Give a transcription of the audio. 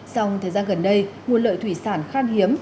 song thời gian gần đây nguồn lợi thủy sản khan hiếm